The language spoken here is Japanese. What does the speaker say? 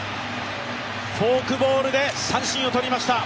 フォークボールで三振を取りました。